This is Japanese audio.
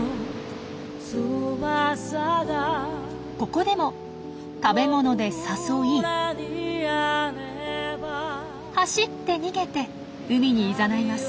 ここでも食べ物で誘い走って逃げて海にいざないます。